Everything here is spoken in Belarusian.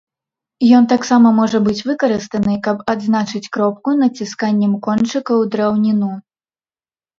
Ён таксама можа быць выкарыстаны, каб адзначыць кропку націсканнем кончыка ў драўніну.